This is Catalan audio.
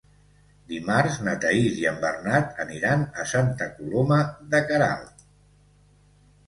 Dimarts na Thaís i en Bernat aniran a Santa Coloma de Queralt.